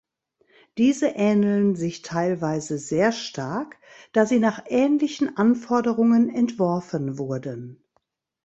Diese ähneln sich teilweise sehr stark, da sie nach ähnlichen Anforderungen entworfen wurden.